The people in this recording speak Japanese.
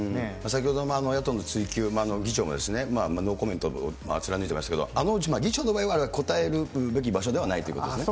先ほど、野党の追及、議長もノーコメントを貫いてましたけど、議長の場合は、答えるべき場所ではないということですね。